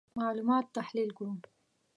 معلومات تحلیل کړو.